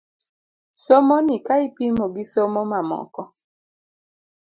Somoni ka ipimo gi somo mamoko .